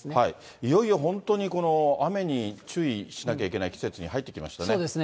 いよいよ本当にこの雨に注意しなきゃいけない季節に入ってきそうですね。